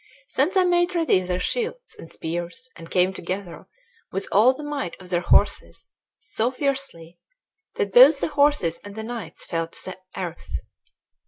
Then they made ready their shields and spears, and came together with all the might of their horses, so fiercely, that both the horses and the knights fell to the earth.